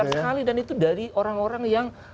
itu besar sekali dan itu dari orang orang yang